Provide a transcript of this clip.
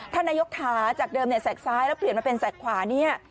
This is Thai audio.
ท่านนายกขาจากเดิมเนี่ยแกกซ้ายแล้วเปลี่ยนมาเป็นแกกขวาเนี่ย